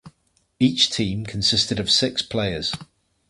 Each team consisted of six players.